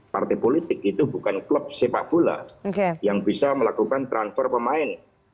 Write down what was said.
partai politik itu bukan klub sepak bola yang bisa melakukan transfer pemain